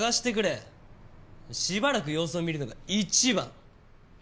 しばらく様子を見るのが一番。